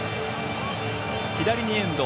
左にエンド。